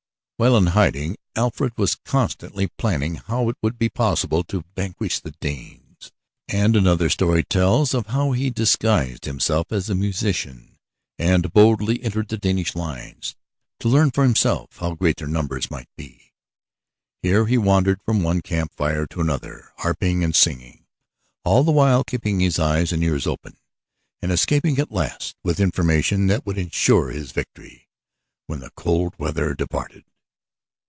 While in hiding Alfred was constantly planning how it would be possible to vanquish the Danes, and another story tells how he disguised himself as a musician and boldly entered the Danish lines, to learn for himself how great their numbers might be. Here he wandered from one camp fire to another, harping and singing, all the while keeping his eyes and ears open and escaping at last with information that would ensure his victory when the cold weather departed.